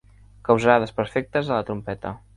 Causarà desperfectes a la trompeta.